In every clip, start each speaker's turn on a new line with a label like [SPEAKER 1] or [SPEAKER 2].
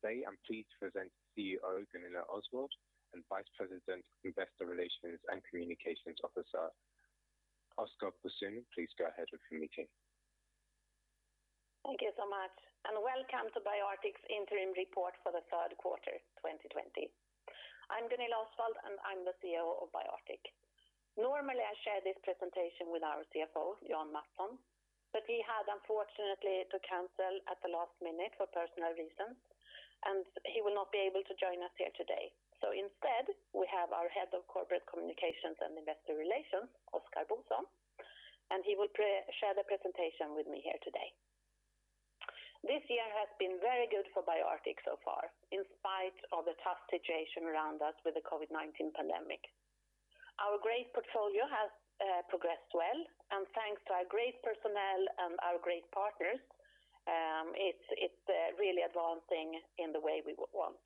[SPEAKER 1] Today, I am pleased to present CEO Gunilla Osswald and Vice President of Investor Relations and Communications Officer Oskar Bosson. Please go ahead with the meeting.
[SPEAKER 2] Thank you so much. Welcome to BioArctic's interim report for the third quarter 2020. I'm Gunilla Osswald. I'm the CEO of BioArctic. Normally, I share this presentation with our CFO, Jan Mattsson. He had unfortunately to cancel at the last minute for personal reasons. He will not be able to join us here today. Instead, we have our Head of Corporate Communications and Investor Relations, Oskar Bosson. He will share the presentation with me here today. This year has been very good for BioArctic so far, in spite of the tough situation around us with the COVID-19 pandemic. Our great portfolio has progressed well. Thanks to our great personnel and our great partners, it's really advancing in the way we would want.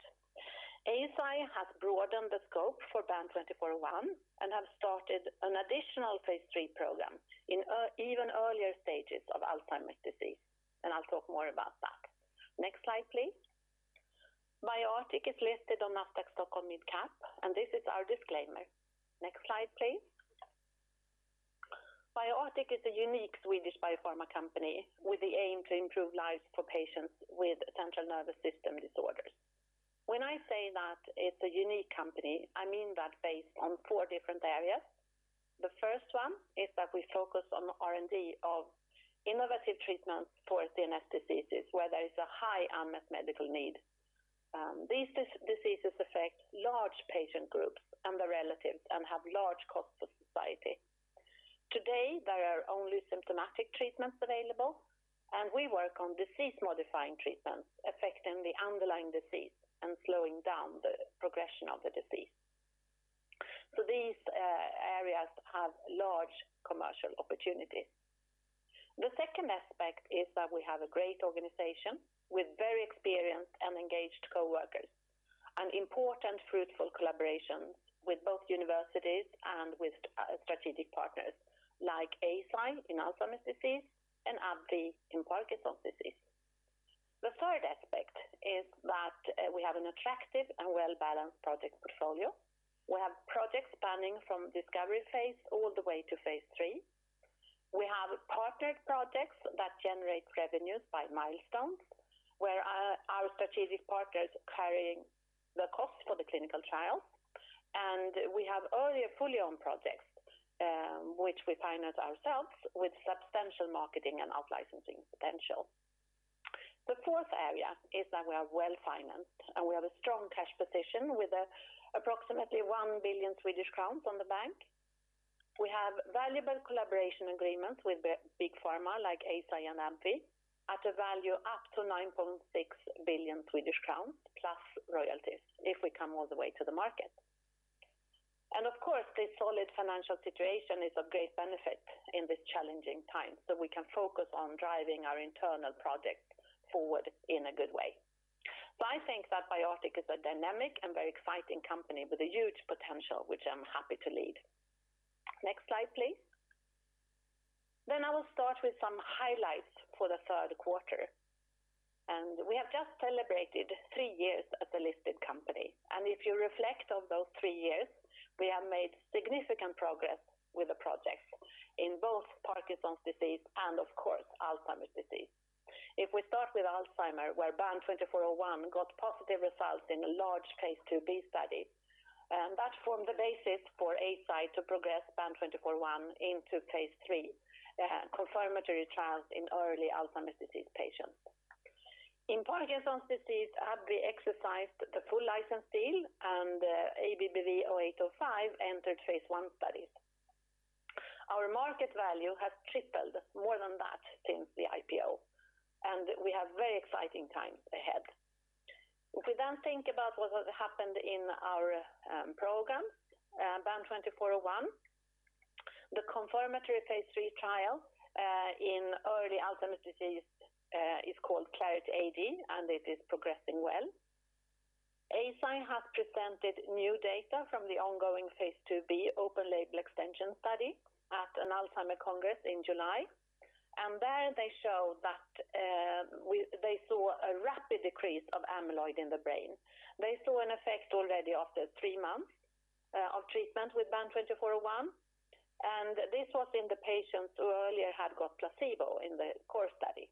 [SPEAKER 2] Eisai has broadened the scope for BAN2401 and has started an additional phase III program in even earlier stages of Alzheimer's disease. I'll talk more about that. Next slide, please. BioArctic is listed on Nasdaq Stockholm Mid Cap. This is our disclaimer. Next slide, please. BioArctic is a unique Swedish biopharma company with the aim to improve lives for patients with central nervous system disorders. When I say that it's a unique company, I mean that based on four different areas. The first one is that we focus on the R&D of innovative treatments for CNS diseases, where there is a high unmet medical need. These diseases affect large patient groups and their relatives and have large costs to society. Today, there are only symptomatic treatments available. We work on disease-modifying treatments affecting the underlying disease and slowing down the progression of the disease. These areas have large commercial opportunities. The second aspect is that we have a great organization with very experienced and engaged coworkers, and important fruitful collaborations with both universities and with strategic partners like Eisai in Alzheimer's disease and AbbVie in Parkinson's disease. The third aspect is that we have an attractive and well-balanced project portfolio. We have projects spanning from discovery phase all the way to phase III. We have partnered projects that generate revenues by milestones, where our strategic partner is carrying the cost for the clinical trial. We have earlier fully owned projects, which we finance ourselves with substantial marketing and out-licensing potential. The fourth area is that we are well-financed, and we have a strong cash position with approximately 1 billion Swedish crowns in the bank. We have valuable collaboration agreements with big pharma like Eisai and AbbVie at a value up to 9.6 billion Swedish crowns plus royalties if we come all the way to the market. Of course, this solid financial situation is of great benefit in this challenging time, so we can focus on driving our internal project forward in a good way. I think that BioArctic is a dynamic and very exciting company with a huge potential, which I'm happy to lead. Next slide, please. I will start with some highlights for the third quarter. We have just celebrated three years as a listed company. If you reflect on those three years, we have made significant progress with the projects in both Parkinson's disease and of course, Alzheimer's disease. We start with Alzheimer, where BAN2401 got positive results in a large phase II-B study. That formed the basis for Eisai to progress BAN2401 into phase III confirmatory trials in early Alzheimer's disease patients. In Parkinson's disease, AbbVie exercised the full license deal. ABBV-0805 entered phase I studies. Our market value has tripled more than that since the IPO. We have very exciting times ahead. We think about what has happened in our programs, BAN2401, the confirmatory phase III trial in early Alzheimer's disease is called Clarity AD. It is progressing well. Eisai has presented new data from the ongoing phase II-B open label extension study at an Alzheimer congress in July. There they showed that they saw a rapid decrease of amyloid in the brain. They saw an effect already after three months of treatment with BAN2401. This was in the patients who earlier had got placebo in the core study.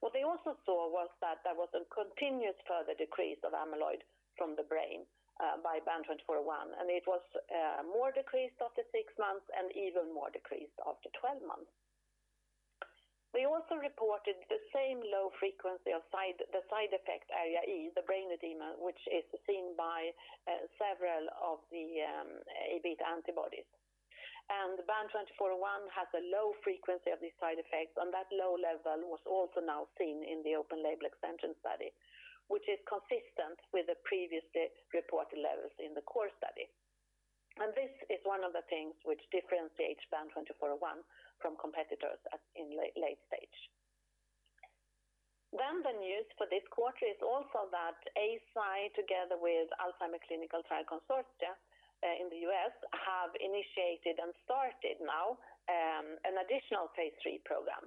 [SPEAKER 2] What they also saw was that there was a continuous further decrease of amyloid from the brain by BAN2401, and it was more decreased after six months and even more decreased after 12 months. They also reported the same low frequency of the side effect ARIA-E, the brain edema, which is seen by several of the Aβ antibodies. BAN2401 has a low frequency of these side effects, and that low level was also now seen in the open label extension study, which is consistent with the previously reported levels in the core study. This is one of the things which differentiates BAN2401 from competitors in late stage. The news for this quarter is also that Eisai together with Alzheimer's Clinical Trials Consortium in the U.S. have initiated and started now an additional phase III program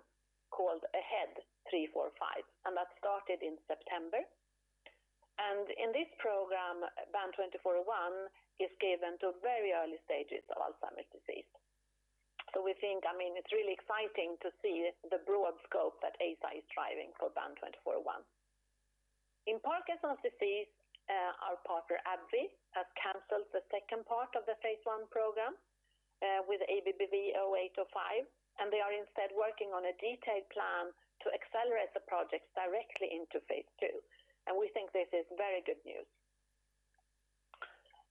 [SPEAKER 2] called AHEAD 3-45, and that started in September. In this program, BAN2401 is given to very early stages of Alzheimer's disease. We think it's really exciting to see the broad scope that Eisai is driving for BAN2401. In Parkinson's disease, our partner AbbVie has canceled the second part of the phase I program with ABBV-0805, and they are instead working on a detailed plan to accelerate the projects directly into phase II, and we think this is very good news.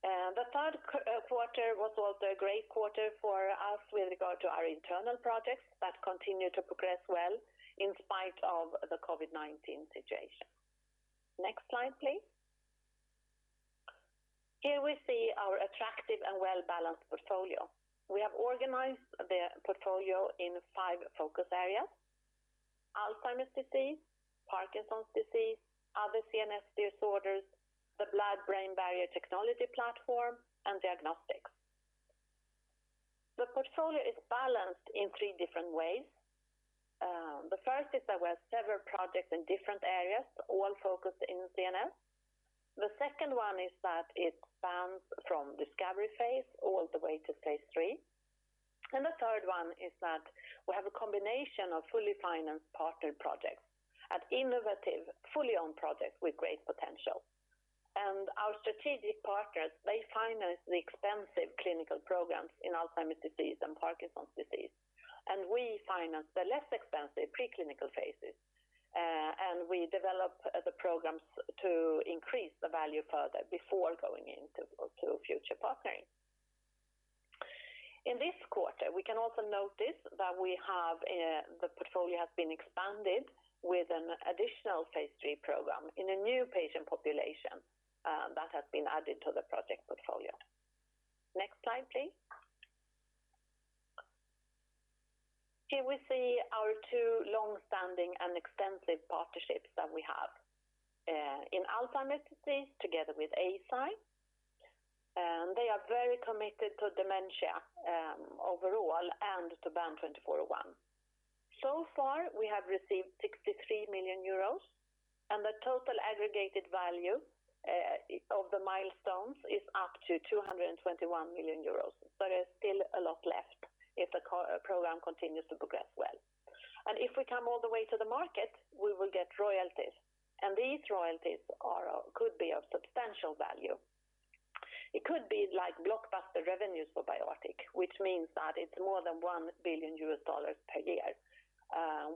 [SPEAKER 2] The third quarter was also a great quarter for us with regard to our internal projects that continue to progress well in spite of the COVID-19 situation. Next slide, please. Here we see our attractive and well-balanced portfolio. We have organized the portfolio in five focus areas. Alzheimer's disease, Parkinson's disease, other CNS disorders, the blood-brain barrier technology platform, and diagnostics. The portfolio is balanced in three different ways. The first is that we have several projects in different areas, all focused in CNS. The second one is that it spans from discovery phase all the way to phase III. The third one is that we have a combination of fully financed partnered projects and innovative, fully owned projects with great potential. Our strategic partners, they finance the expensive clinical programs in Alzheimer's disease and Parkinson's disease, and we finance the less expensive preclinical phases. We develop the programs to increase the value further before going into future partnering. In this quarter, we can also notice that the portfolio has been expanded with an additional phase III program in a new patient population that has been added to the project portfolio. Next slide, please. Here we see our two longstanding and extensive partnerships that we have. In Alzheimer's disease together with Eisai. They are very committed to dementia overall and to BAN2401. So far, we have received 63 million euros, and the total aggregated value of the milestones is up to 221 million euros. There's still a lot left if the program continues to progress well. If we come all the way to the market, we will get royalties, and these royalties could be of substantial value. It could be like blockbuster revenues for BioArctic, which means that it's more than $1 billion per year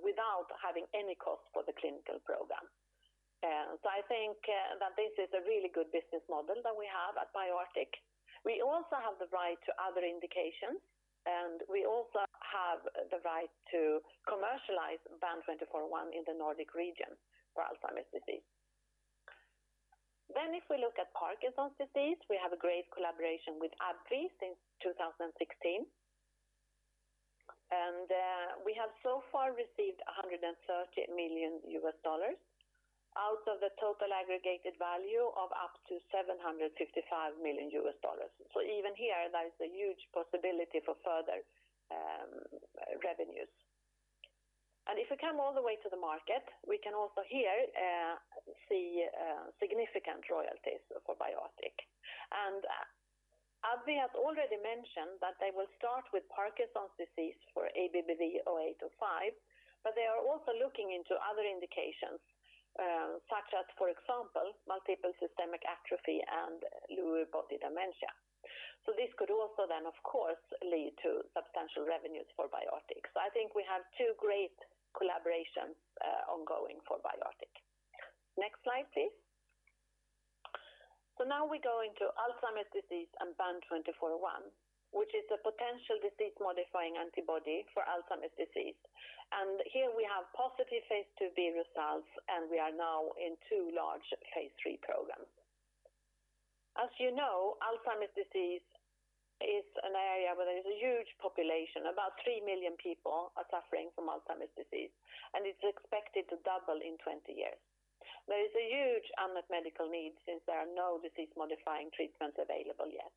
[SPEAKER 2] without having any cost for the clinical program. I think that this is a really good business model that we have at BioArctic. We also have the right to other indications, and we also have the right to commercialize BAN2401 in the Nordic region for Alzheimer's disease. If we look at Parkinson's disease, we have a great collaboration with AbbVie since 2016. We have so far received $130 million out of the total aggregated value of up to $755 million. Even here, there is a huge possibility for further revenues. If we come all the way to the market, we can also here see significant royalties for BioArctic. AbbVie has already mentioned that they will start with Parkinson's disease for ABBV-0805, but they are also looking into other indications, such as, for example, multiple system atrophy and Lewy body dementia. This could also then, of course, lead to substantial revenues for BioArctic. I think we have two great collaborations ongoing for BioArctic. Next slide, please. Now we go into Alzheimer's disease and BAN2401, which is a potential disease-modifying antibody for Alzheimer's disease. Here we have positive phase IIb results, and we are now in two large phase III programs. As you know, Alzheimer's disease is an area where there is a huge population. About three million people are suffering from Alzheimer's disease, and it's expected to double in 20 years. There is a huge unmet medical need since there are no disease-modifying treatments available yet.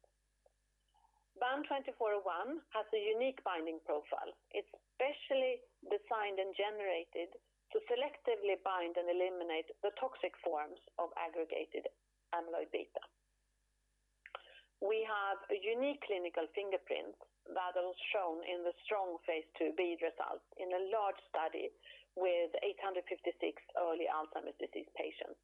[SPEAKER 2] BAN2401 has a unique binding profile. It's specially designed and generated to selectively bind and eliminate the toxic forms of aggregated amyloid beta. We have a unique clinical fingerprint that was shown in the strong phase IIb result in a large study with 856 early Alzheimer's disease patients.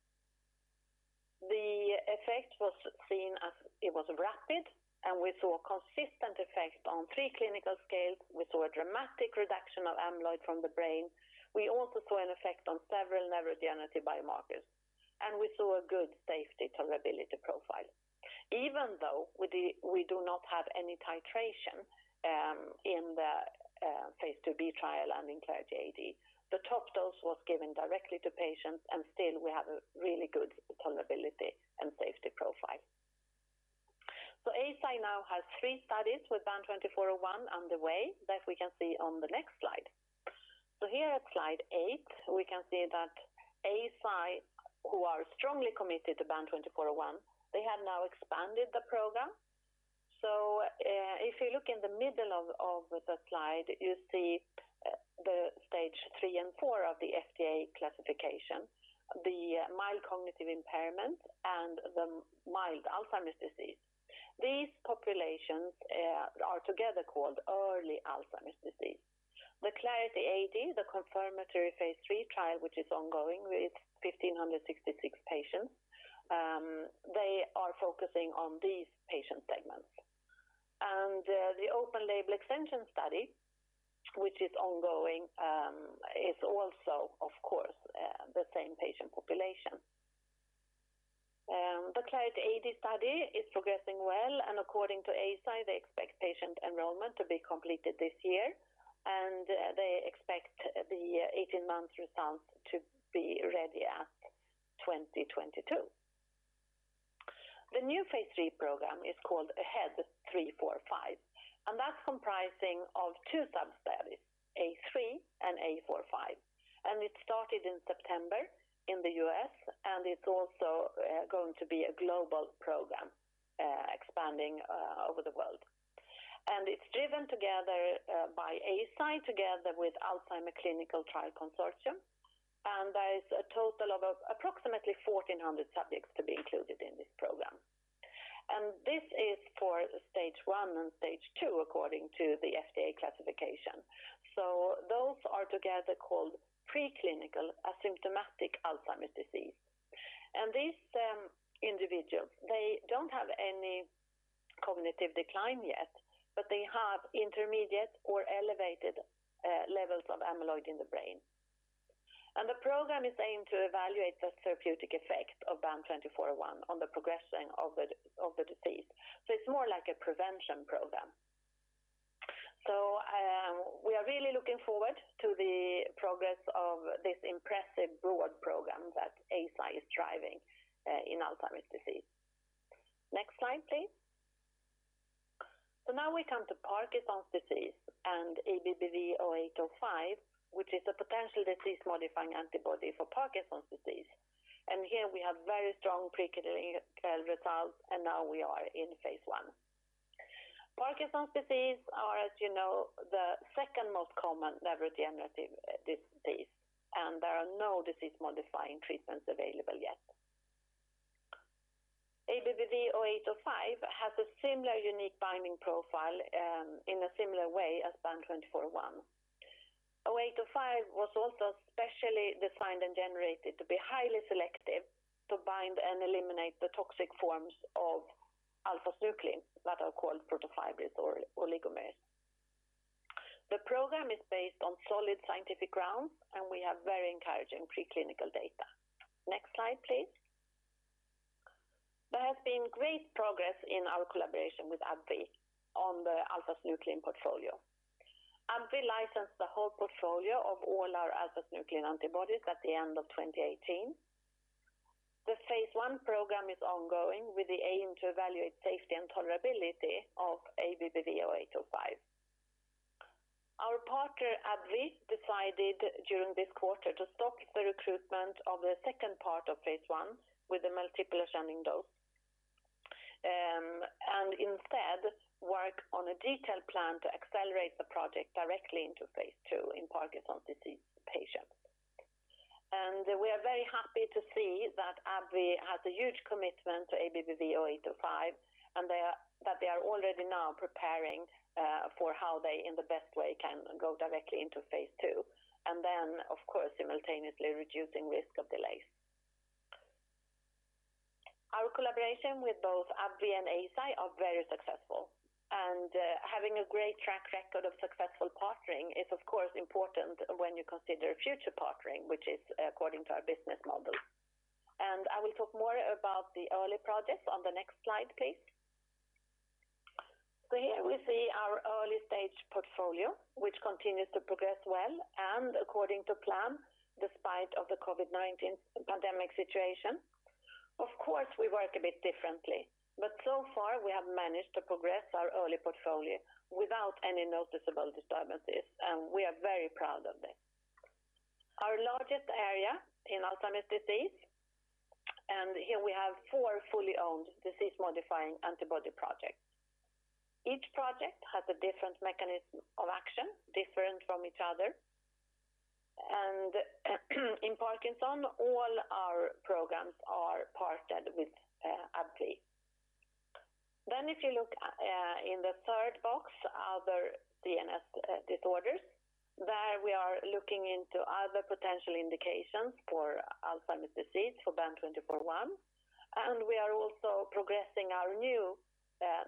[SPEAKER 2] The effect was seen as it was rapid, and we saw a consistent effect on three clinical scales. We saw a dramatic reduction of amyloid from the brain. We also saw an effect on several neurodegenerative biomarkers, and we saw a good safety tolerability profile. Even though we do not have any titration in the phase IIb trial and in Clarity AD, the top dose was given directly to patients, and still we have a really good tolerability and safety profile. Eisai now has three studies with BAN2401 underway that we can see on the next slide. Here at slide eight, we can see that Eisai, who are strongly committed to BAN2401, they have now expanded the program. If you look in the middle of the slide, you see the stage 3 and 4 of the FDA classification, the mild cognitive impairment, and the mild Alzheimer's disease. These populations are together called early Alzheimer's disease. The Clarity AD, the confirmatory phase III trial, which is ongoing with 1,566 patients, they are focusing on these patient segments. The open label extension study, which is ongoing, is also, of course, the same patient population. The Clarity AD study is progressing well, and according to Eisai, they expect patient enrollment to be completed this year, and they expect the 18-month result to be ready at 2022. The new phase III program is called AHEAD 3-45, and that's comprising of two sub-studies, A3 and A45. It started in September in the U.S., and it's also going to be a global program expanding over the world. It's driven together by Eisai together with Alzheimer's Clinical Trials Consortium. There is a total of approximately 1,400 subjects to be included in this program. This is for stage 1 and stage 2 according to the FDA classification. Those are together called preclinical asymptomatic Alzheimer's disease. These individuals, they don't have any cognitive decline yet, but they have intermediate or elevated levels of amyloid in the brain. The program is aimed to evaluate the therapeutic effect of BAN2401 on the progression of the disease. It's more like a prevention program. We are really looking forward to the progress of this impressive broad program that Eisai is driving in Alzheimer's disease. Next slide, please. Now we come to Parkinson's disease and ABBV-0805, which is a potential disease-modifying antibody for Parkinson's disease. Here we have very strong preclinical results, now we are in phase I. Parkinson's disease are, as you know, the second most common neurodegenerative disease, and there are no disease-modifying treatments available yet. ABBV-0805 has a similar unique binding profile in a similar way as BAN2401. 0805 was also specially designed and generated to be highly selective to bind and eliminate the toxic forms of alpha-synuclein that are called protofibrils or oligomers. The program is based on solid scientific grounds, and we have very encouraging preclinical data. Next slide, please. There has been great progress in our collaboration with AbbVie on the alpha-synuclein portfolio. AbbVie licensed the whole portfolio of all our alpha-synuclein antibodies at the end of 2018. The phase I program is ongoing with the aim to evaluate safety and tolerability of ABBV-0805. Our partner, AbbVie, decided during this quarter to stop the recruitment of the second part of phase I with the multiple ascending dose. Instead, work on a detailed plan to accelerate the project directly into phase II in Parkinson's disease patients. We are very happy to see that AbbVie has a huge commitment to ABBV-0805, and that they are already now preparing for how they, in the best way, can go directly into phase II, and then, of course, simultaneously reducing risk of delays. Our collaboration with both AbbVie and Eisai are very successful. Having a great track record of successful partnering is, of course, important when you consider future partnering, which is according to our business model. I will talk more about the early projects on the next slide, please. Here we see our early-stage portfolio, which continues to progress well and according to plan, despite of the COVID-19 pandemic situation. Of course, we work a bit differently, but so far we have managed to progress our early portfolio without any noticeable disturbances, and we are very proud of this. Our largest area in Alzheimer's disease, here we have four fully owned disease-modifying antibody projects. Each project has a different mechanism of action, different from each other. In Parkinson, all our programs are partnered with AbbVie. If you look in the third box, other CNS disorders, there we are looking into other potential indications for Alzheimer's disease for BAN2401, and we are also progressing our new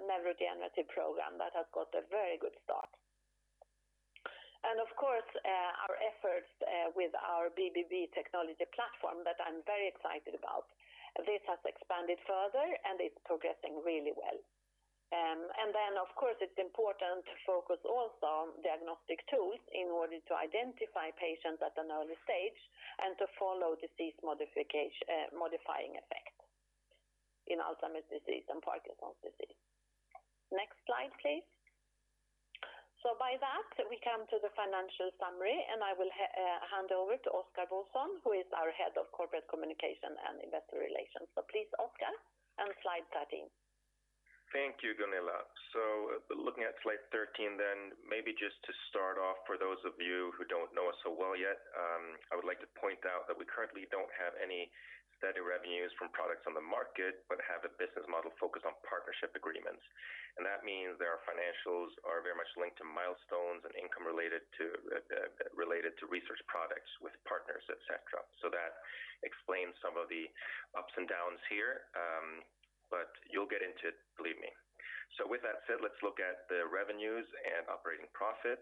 [SPEAKER 2] neurodegenerative program that has got a very good start. Of course, our efforts with our BBB technology platform that I'm very excited about. This has expanded further, and it's progressing really well. Of course, it's important to focus also on diagnostic tools in order to identify patients at an early stage and to follow disease-modifying effect in Alzheimer's disease and Parkinson's disease. Next slide, please. We come to the financial summary, and I will hand over to Oskar Bosson, who is our Head of Corporate Communication and Investor Relations. Oskar, and slide 13.
[SPEAKER 3] Thank you, Gunilla. Looking at slide 13, maybe just to start off, for those of you who don't know us so well yet, I would like to point out that we currently don't have any steady revenues from products on the market, but have a business model focused on partnership agreements. That means that our financials are very much linked to milestones and income related to research products with partners, et cetera. That explains some of the ups and downs here, but you'll get into it, believe me. With that said, let's look at the revenues and operating profit.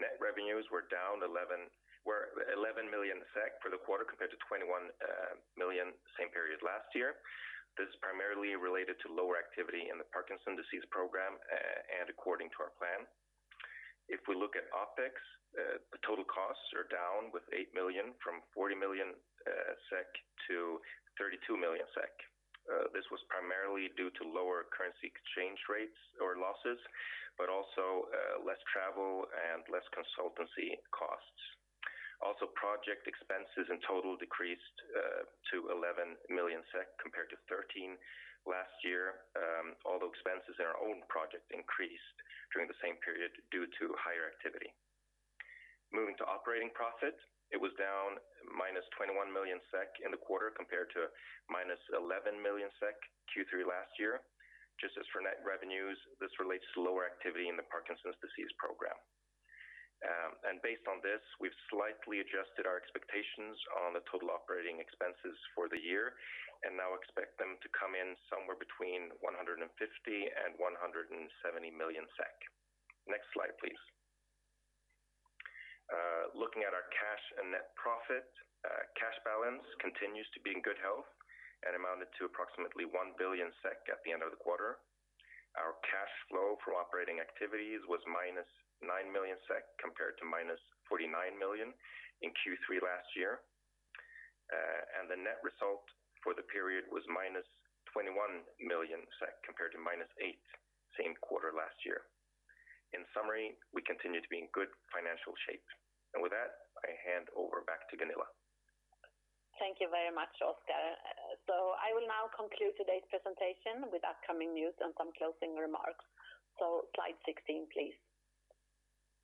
[SPEAKER 3] Net revenues were SEK 11 million for the quarter compared to SEK 21 million same period last year. This is primarily related to lower activity in the Parkinson's disease program, according to our plan. If we look at OpEx, the total costs are down with 8 million from 40 million SEK to 32 million SEK. This was primarily due to lower currency exchange rates or losses, but also less travel and less consultancy costs. Also project expenses in total decreased to 11 million SEK compared to 13 last year. Although expenses in our own project increased during the same period due to higher activity. Moving to operating profit, it was down -21 million SEK in the quarter compared to -11 million SEK Q3 last year. Just as for net revenues, this relates to lower activity in the Parkinson's disease program. Based on this, we've slightly adjusted our expectations on the total operating expenses for the year, and now expect them to come in somewhere between 150 million and 170 million SEK. Next slide, please. Looking at our cash and net profit. Cash balance continues to be in good health and amounted to approximately 1 billion SEK at the end of the quarter. Our cash flow from operating activities was -9 million SEK compared to -49 million in Q3 last year. The net result for the period was -21 million compared to -8 million same quarter last year. In summary, we continue to be in good financial shape. With that, I hand over back to Gunilla.
[SPEAKER 2] Thank you very much, Oskar. I will now conclude today's presentation with upcoming news and some closing remarks. Slide 16, please.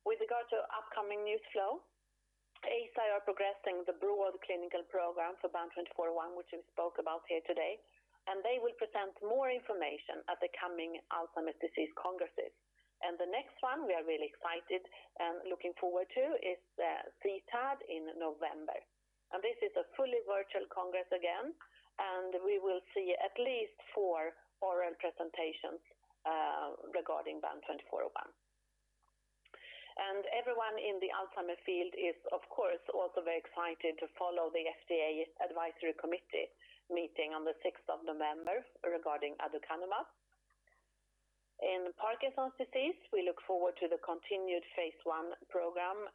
[SPEAKER 2] With regard to upcoming news flow, Eisai are progressing the broad clinical program for BAN2401, which we spoke about here today, and they will present more information at the coming Alzheimer's disease congresses. The next one we are really excited and looking forward to is CTAD in November. This is a fully virtual congress again, and we will see at least four oral presentations regarding BAN2401. Everyone in the Alzheimer's field is of course also very excited to follow the FDA advisory committee meeting on the 6th of November regarding aducanumab. In Parkinson's disease, we look forward to the continued phase I program,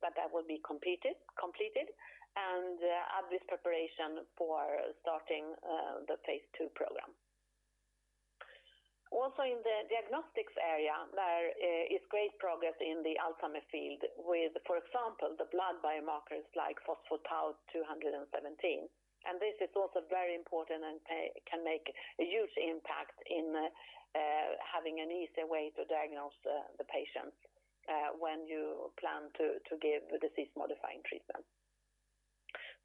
[SPEAKER 2] but that will be completed and AbbVie's preparation for starting the phase II program. In the diagnostics area, there is great progress in the Alzheimer field with, for example, the blood biomarkers like phospho-tau217. This is also very important and can make a huge impact in having an easier way to diagnose the patients when you plan to give disease-modifying treatment.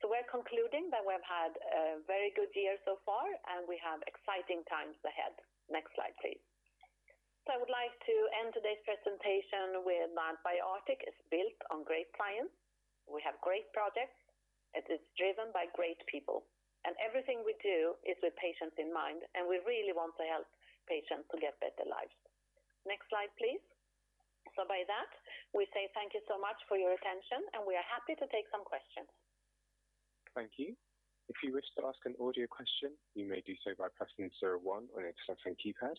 [SPEAKER 2] We're concluding that we've had a very good year so far, and we have exciting times ahead. Next slide, please. I would like to end today's presentation with BioArctic is built on great clients. We have great projects. It is driven by great people. Everything we do is with patients in mind, and we really want to help patients to get better lives. Next slide, please. By that, we say thank you so much for your attention, and we are happy to take some questions.
[SPEAKER 1] Thank you. If you wish to ask an audio question, you may do so by pressing zero one on your telephone keypad.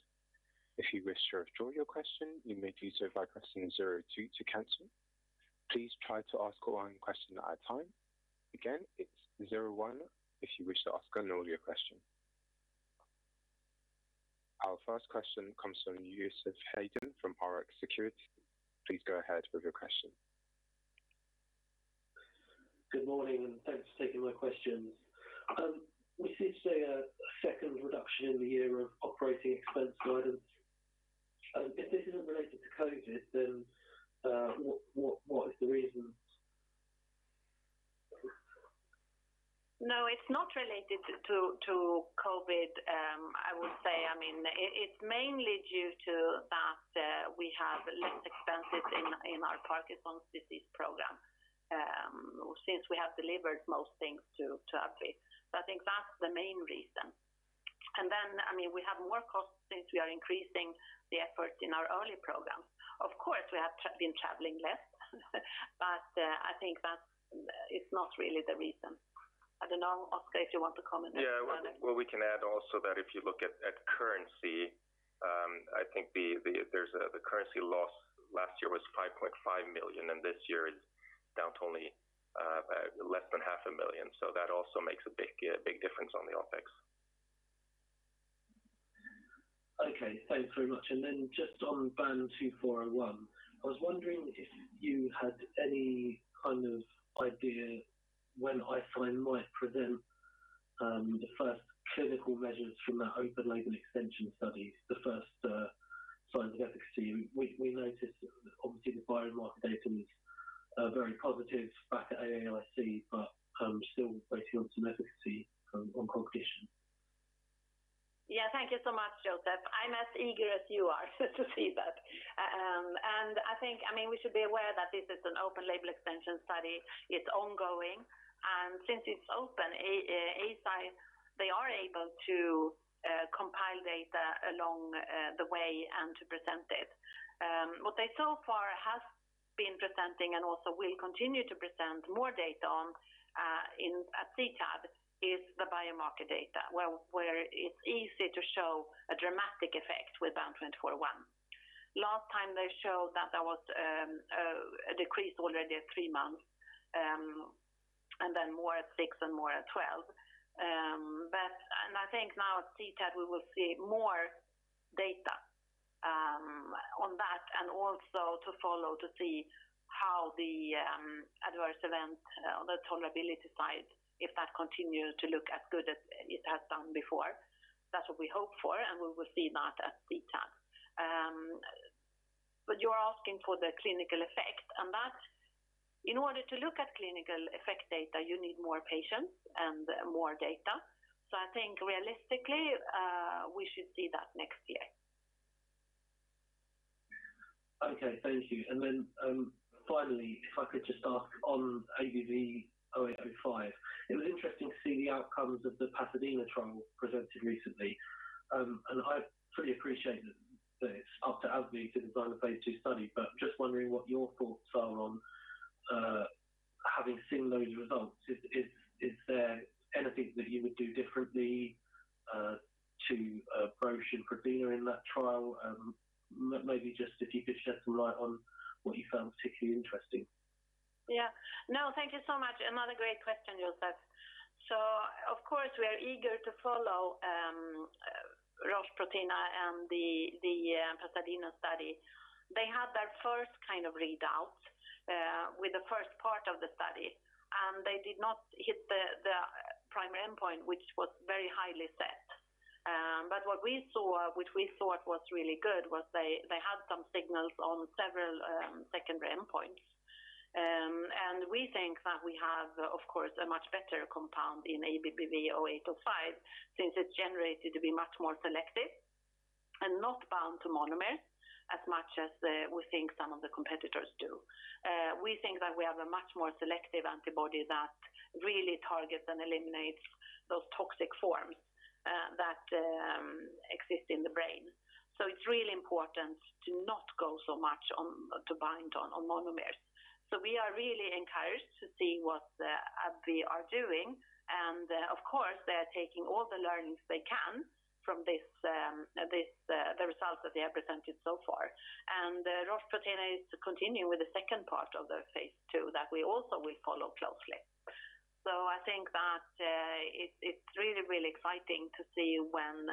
[SPEAKER 1] If you wish to withdraw your question, you may do so by pressing zero two to cancel. Please try to ask one question at a time. Again, it's zero one if you wish to ask an audio question. Our first question comes from Joseph Hedden from Rx Securities. Please go ahead with your question.
[SPEAKER 4] Good morning, and thanks for taking my questions. We see today a second reduction in the year of operating expense guidance. If this isn't related to COVID, then what is the reason?
[SPEAKER 2] No, it's not related to COVID, I would say. It's mainly due to that we have less expenses in our Parkinson's disease program since we have delivered most things to AbbVie. I think that's the main reason. We have more costs since we are increasing the effort in our early program. Of course, we have been traveling less but I think that it's not really the reason. I don't know, Oskar, if you want to comment on that.
[SPEAKER 3] Yeah. Well, we can add also that if you look at currency I think the currency loss last year was 5.5 million, and this year it's down to only less than 500,000. That also makes a big difference on the OpEx.
[SPEAKER 4] Okay. Thanks very much. Just on BAN2401, I was wondering if you had any kind of idea when Eisai might present the first clinical measures from that open label extension study, the first signs of efficacy. We noticed, obviously the biomarker data is very positive back at AAIC, still waiting on some efficacy on competition.
[SPEAKER 2] Yeah. Thank you so much, Joseph. I'm as eager as you are to see that. I think we should be aware that this is an open label extension study. It's ongoing. Since it's open, Eisai, they are able to compile data along the way and to present it. What they so far have been presenting and also will continue to present more data on at CTAD is the biomarker data, where it's easy to show a dramatic effect with BAN2401. Last time they showed that there was a decrease already at three months, and then more at six and more at 12. I think now at CTAD, we will see more data on that and also to follow to see how the adverse event on the tolerability side, if that continues to look as good as it has done before. That's what we hope for, and we will see that at CTAD. You are asking for the clinical effect. In order to look at clinical effect data, you need more patients and more data. I think realistically, we should see that next year.
[SPEAKER 4] Okay. Thank you. Finally, if I could just ask on ABBV-0805. It was interesting to see the outcomes of the PASADENA trial presented recently. I fully appreciate that it's up to AbbVie to design the phase II study, but just wondering what your thoughts are on having seen those results. Is there anything that you would do differently to approach in PASADENA in that trial? Maybe just if you could shed some light on what you found particularly interesting.
[SPEAKER 2] No, thank you so much. Another great question, Joseph. Of course, we are eager to follow Roche/Prothena and the PASADENA study. They had their first kind of readout with the first part of the study. They did not hit the primary endpoint, which was very highly set. What we saw which we thought was really good was they had some signals on several secondary endpoints. We think that we have, of course, a much better compound in ABBV-0805 since it's generated to be much more selective and not bound to monomer as much as we think some of the competitors do. We think that we have a much more selective antibody that really targets and eliminates those toxic forms that exist in the brain. It's really important to not go so much on to bind on monomers. We are really encouraged to see what AbbVie are doing. Of course, they are taking all the learnings they can from the results that they have presented so far. Roche/Prothena is to continue with the second part of their phase II that we also will follow closely. I think that it's really, really exciting to see when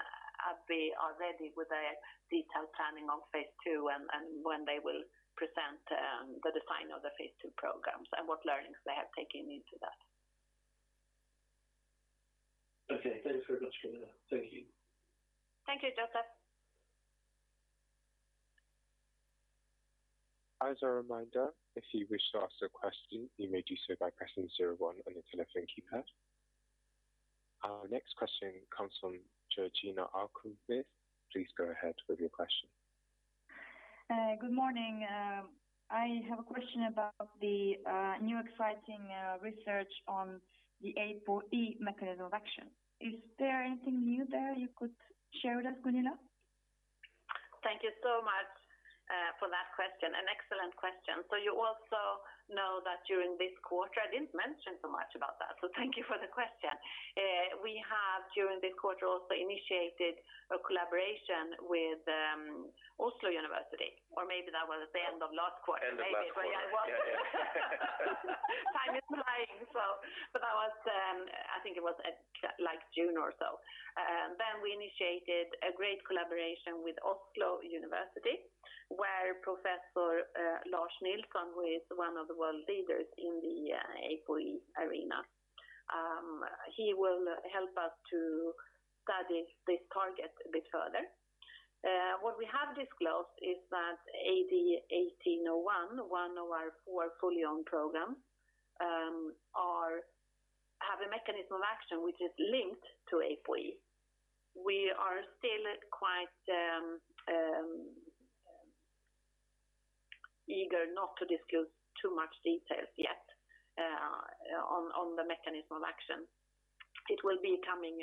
[SPEAKER 2] AbbVie are ready with a detailed planning of phase II and when they will present the design of the phase II programs and what learnings they have taken into that.
[SPEAKER 4] Okay. Thank you very much, Gunilla. Thank you.
[SPEAKER 2] Thank you, Joseph.
[SPEAKER 1] As a reminder, if you wish to ask a question, you may do so by pressing zero one on your telephone keypad. Our next question comes from [Georgina Arkoumis]. Please go ahead with your question.
[SPEAKER 5] Good morning. I have a question about the new exciting research on the APOE mechanism of action. Is there anything new there you could share with us, Gunilla?
[SPEAKER 2] Thank you so much for that question. An excellent question. You also know that during this quarter, I didn't mention so much about that, so thank you for the question. We have during this quarter also initiated a collaboration with University of Oslo, or maybe that was the end of last quarter.
[SPEAKER 3] End of last quarter.
[SPEAKER 2] Maybe. Time is flying. I think it was like June or so. We initiated a great collaboration with University of Oslo, where Professor Lars Nilsson, who is one of the world leaders in the APOE arena. He will help us to study this target a bit further. What we have disclosed is that AD1801, one of our four fully owned programs, have a mechanism of action which is linked to APOE. We are still quite eager not to discuss too much details yet on the mechanism of action. It will be coming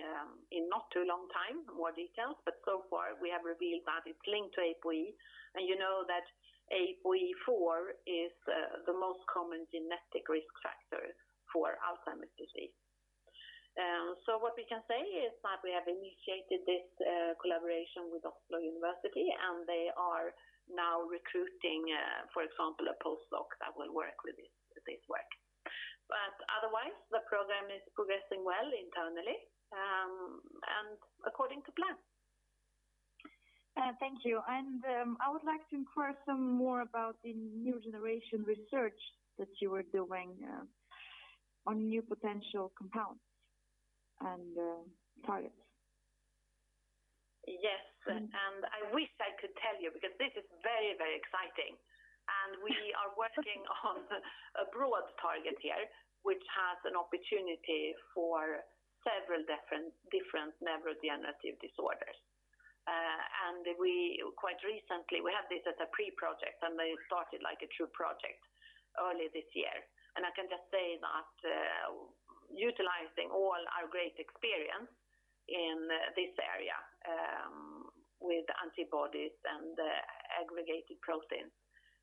[SPEAKER 2] in not too long time, more details, but so far we have revealed that it's linked to APOE. You know that APOE4 is the most common genetic risk factor for Alzheimer's disease. What we can say is that we have initiated this collaboration with University of Oslo, and they are now recruiting for example, a postdoc that will work with this work. Otherwise, the program is progressing well internally and according to plan.
[SPEAKER 5] Thank you. I would like to inquire some more about the new generation research that you were doing on new potential compounds and targets.
[SPEAKER 2] Yes. I wish I could tell you because this is very, very exciting. We are working on a broad target here, which has an opportunity for several different neurodegenerative disorders. We quite recently, we have this as a pre-project, and they started like a true project early this year. I can just say that utilizing all our great experience in this area with antibodies and aggregated proteins,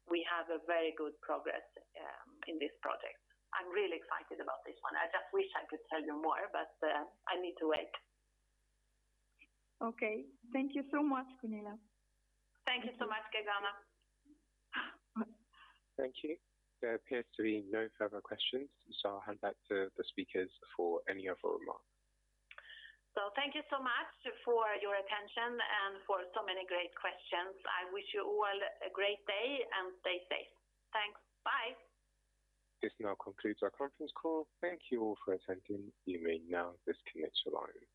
[SPEAKER 2] we have a very good progress in this project. I'm really excited about this one. I just wish I could tell you more, but I need to wait.
[SPEAKER 5] Okay. Thank you so much, Gunilla.
[SPEAKER 2] Thank you so much, [Georgina].
[SPEAKER 1] Thank you. There appears to be no further questions. I'll hand back to the speakers for any other remarks.
[SPEAKER 2] Thank you so much for your attention and for so many great questions. I wish you all a great day and stay safe. Thanks. Bye.
[SPEAKER 1] This now concludes our conference call. Thank you all for attending. You may now disconnect your lines.